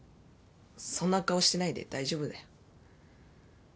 そんな顔してないで大丈夫だよ。